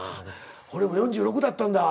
俺も４６だったんだ。